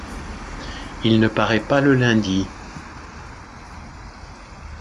Il ne paraît pas le lundi.